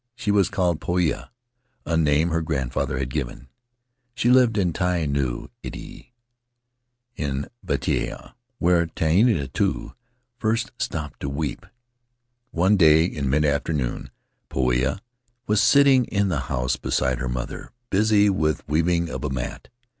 She was called Poia, a name her grandfather had given. She lived at Tai Nuu Iti in Baiatea, where Tehinatu first stopped to weep. "One day, in midafternoon, Poia was sitting in the house beside her mother, busy with the weaving of a mat.